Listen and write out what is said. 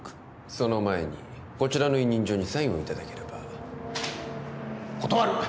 その前にこちらの委任状にサインをいただければ断る！